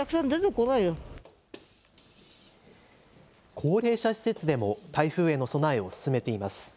高齢者施設でも台風への備えを進めています。